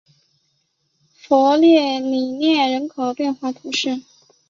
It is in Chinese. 弗勒里涅人口变化图示